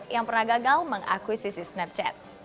yang pernah gagal mengakuisisi snapchat